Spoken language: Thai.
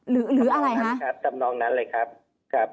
หรืออะไรครับจำนองนั้นเลยครับ